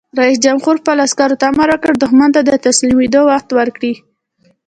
رئیس جمهور خپلو عسکرو ته امر وکړ؛ دښمن ته د تسلیمېدو وخت ورکړئ!